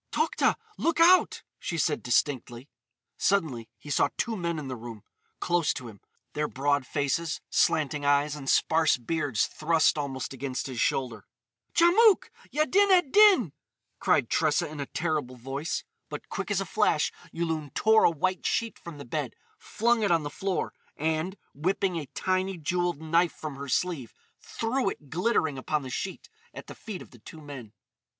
"Tokhta! Look out!" she said distinctly. Suddenly he saw two men in the room, close to him—their broad faces, slanting eyes, and sparse beards thrust almost against his shoulder. "Djamouk! Yaddin ed Din!" cried Tressa in a terrible voice. But quick as a flash Yulun tore a white sheet from the bed, flung it on the floor, and, whipping a tiny, jewelled knife from her sleeve, threw it glittering upon the sheet at the feet of the two men.